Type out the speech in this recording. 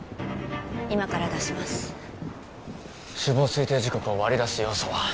今から出します死亡推定時刻を割り出す要素は？